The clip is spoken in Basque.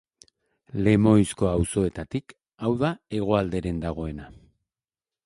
Lemoizko auzoetatik, hau da hegoalderen dagoena.